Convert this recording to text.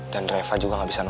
dan reva juga gak bisa nolak